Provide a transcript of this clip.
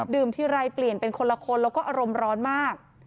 ทีไรเปลี่ยนเป็นคนละคนแล้วก็อารมณ์ร้อนมาก